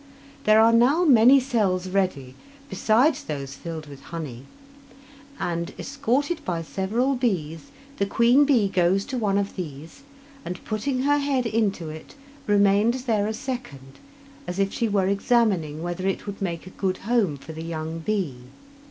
There are now many cells ready besides those filled with honey; and, escorted by several bees, the queen bee goes to one of these, and, putting her head into it remains there a second as if she were examining whether it would make a good home for the young bee.